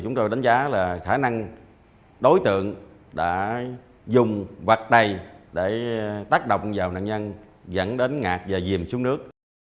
chúng tôi đánh giá là khả năng đối tượng đã dùng vặt đầy để tác động vào nạn nhân dẫn đến ngạc và dìm xuống nước